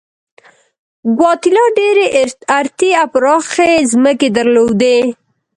ګواتیلا ډېرې ارتې او پراخې ځمکې درلودلې.